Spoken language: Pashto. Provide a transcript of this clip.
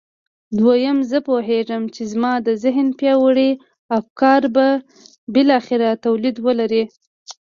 دويم زه پوهېږم چې زما د ذهن پياوړي افکار به بالاخره توليد ولري.